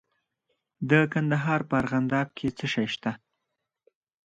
د کندهار په ارغنداب کې څه شی شته؟